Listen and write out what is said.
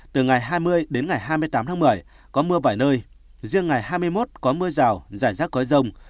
từ ngày hai mươi đến ngày hai mươi tám tháng một mươi có mưa vài nơi riêng ngày hai mươi một có mưa rào rải rác có rông